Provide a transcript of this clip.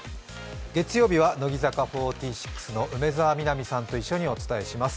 月曜日は乃木坂４６の梅澤美波さんとお送りします。